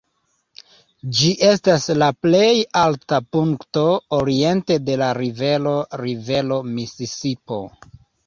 Ĝi estas la plej alta punkto oriente de la Rivero Rivero Misisipo.